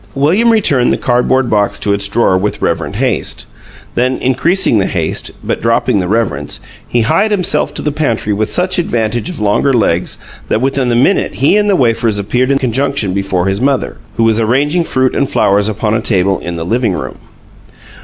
William returned the cardboard box to its drawer with reverent haste; then, increasing the haste, but dropping the reverence, he hied himself to the pantry with such advantage of longer legs that within the minute he and the wafers appeared in conjunction before his mother, who was arranging fruit and flowers upon a table in the "living room."